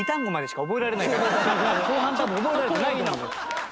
後半多分覚えられてないと思うよ。